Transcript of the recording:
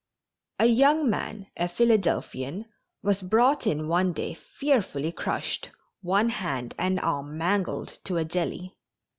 A young man, a Philadelphian, was brought in one day fearfully crushed, one hand and arm mangled to a jelly.